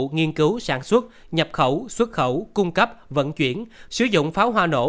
nghiên cứu sản xuất nhập khẩu xuất khẩu cung cấp vận chuyển sử dụng pháo hoa nổ